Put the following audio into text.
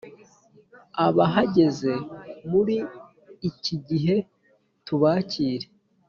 Abahageze muri iki gihe tubakire